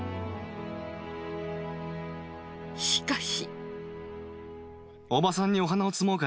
しかし。